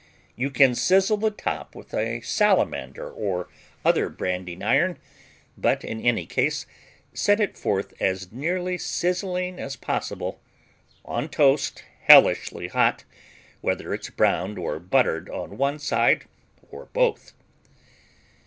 You can sizzle the top with a salamander or other branding iron, but in any case set it forth as nearly sizzling as possible, on toast hellishly hot, whether it's browned or buttered on one side or both.